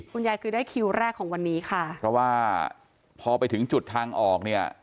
คุณยายคือได้คิวแรกของวันนี้ค่ะเพราะว่าพอไปถึงจุดทางออกเนี่ย